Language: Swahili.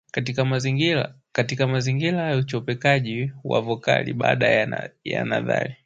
katika mazingira ya uchopekaji wa vokali baada ya nazali